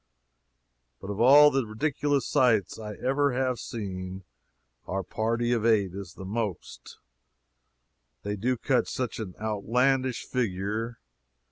But of all the ridiculous sights I ever have seen, our party of eight is the most so they do cut such an outlandish figure.